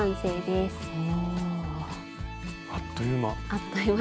あっという間。